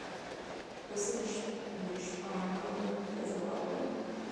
پسه د شپانه غږ ته ځواب وايي.